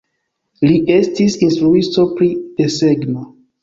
Li estis instruisto pri desegno.